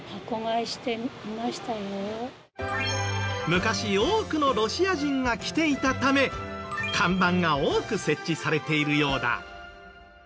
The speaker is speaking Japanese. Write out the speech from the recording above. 昔多くのロシア人が来ていたため看板が多く設置されているようだ。